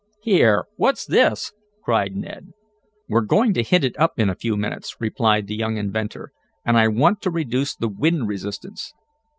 "Here! What's this?" cried Ned. "We're going to hit it up in a few minutes," replied the young inventor, "and I want to reduce the wind resistance."